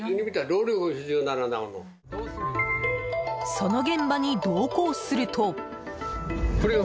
その現場に同行すると。